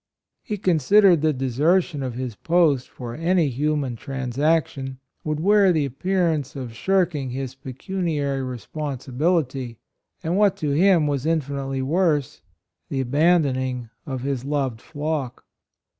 He considered the desertion of his post, for any human transac tion, would wear the appearance of shirking his pecuniary responsi bility, and, what to him was infi nitely worse, the abandoning of his loved flock.